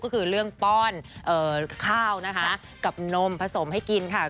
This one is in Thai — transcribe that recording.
ก็คือเรื่องป้อนข้าวนะคะกับนมผสมให้กินค่ะ